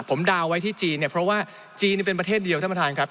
ผมดาวน์ไว้ที่จีนเนี่ยเพราะว่าจีนเป็นประเทศเดียวท่านประธานครับ